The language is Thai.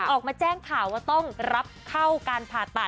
ออกมาแจ้งข่าวว่าต้องรับเข้าการผ่าตัด